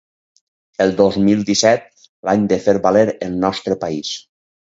El dos mil disset, l’any de fer valer el nostre país